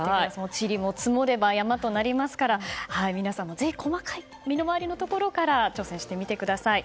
ちりも積もれば山となりますから皆さんもぜひ細かい身の回りのところから挑戦してみてください。